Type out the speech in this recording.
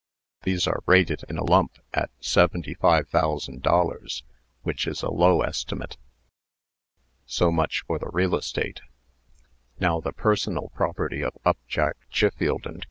These are rated in a lump at seventy five thousand dollars, which is a low estimate. So much for the real estate. Now the personal property of Upjack, Chiffield & Co.